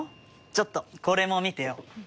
ちょっとこれも見てよ。